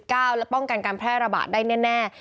และป้องกันการแพร่ระบาดได้แน่